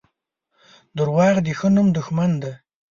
• دروغ د ښه نوم دښمن دي.